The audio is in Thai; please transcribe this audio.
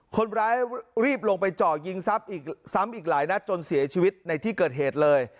คนร้ายรีบลงไปเจาะยิงทรัพย์อีกซ้ำอีกหลายนัดจนเสียชีวิตในที่เกิดเหตุเลย